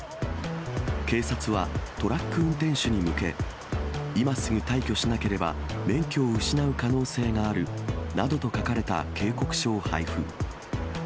警察はトラック運転手に向け、今すぐ退去しなければ免許を失う可能性があるなどと書かれた警告書を配布。